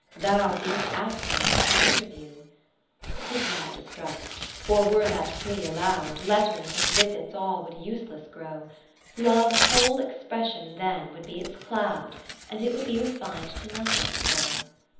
Thou being absent at the inter view? XV 'Tis not distrust ; for were that plea allow'd. Letters and visits all would useless grow : Love's whole expression then would be its cloud, And it would be refin'd to nothing so.